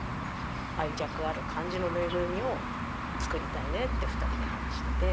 愛着ある感じの縫いぐるみを作りたいねって２人で話してて。